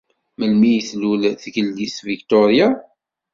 Melmi ay tlul Tgellidt Victoria?